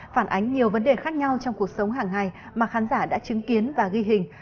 phản ánh nhiều vấn đề khác nhau trong cuộc sống hàng ngày mà khán giả đã chứng kiến và ghi hình